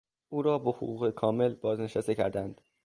او را با حقوق کامل بازنشسته کردند.